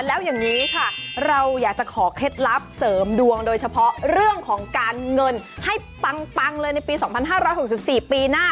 แล้วอย่างนี้ค่ะเราอยากจะขอเคล็ดลับเสริมดวงโดยเฉพาะเรื่องของการเงินให้ปังเลยในปี๒๕๖๔ปีหน้า